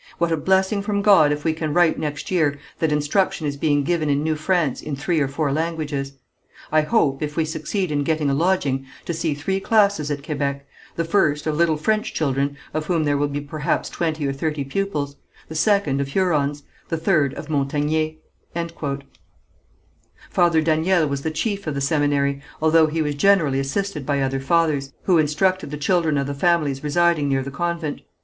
What a blessing from God if we can write next year that instruction is being given in New France in three or four languages. I hope, if we succeed in getting a lodging, to see three classes at Kébec the first, of little French children, of whom there will be perhaps twenty or thirty pupils; the second, of Hurons; the third, of Montagnés." Father Daniel was the chief of the seminary, although he was generally assisted by other fathers, who instructed the children of the families residing near the convent.